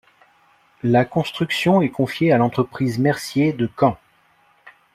La construction est confiée à l'entreprise Mercier de Caen.